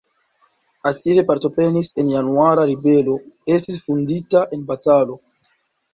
Aktive partoprenis en Januara ribelo, estis vundita en batalo.